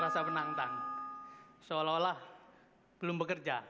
seolah olah belum bekerja